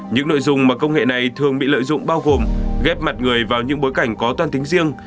những nội dung mà công nghệ này thường bị lợi dụng bao gồm ghép mặt người vào những bối cảnh có toan tính riêng